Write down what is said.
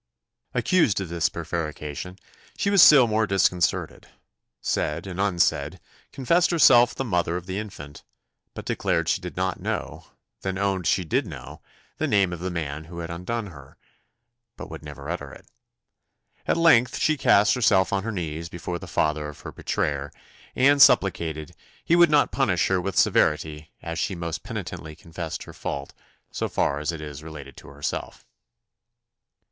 Accused of this prevarication, she was still more disconcerted; said, and unsaid; confessed herself the mother of the infant, but declared she did not know, then owned she did know, the name of the man who had undone her, but would never utter it. At length she cast herself on her knees before the father of her betrayer, and supplicated "he would not punish her with severity, as she most penitently confessed her fault, so far as is related to herself."